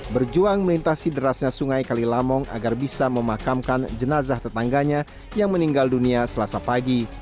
berjuang melintasi derasnya sungai kalilamong agar bisa memakamkan jenazah tetangganya yang meninggal dunia selasa pagi